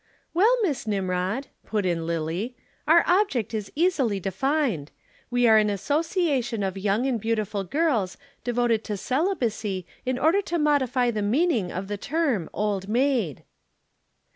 "Well, Miss Nimrod," put in Lillie, "our object is easily defined. We are an association of young and beautiful girls devoted to celibacy in order to modify the meaning of the term 'Old Maid.'"